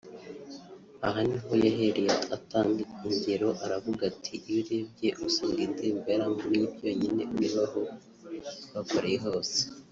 Aha niho yahereye atanga ingero aravuga ati “Iyo urebye usanga iyi ndirimbo yaramvunnye byonyine urebe aho twakoreye hose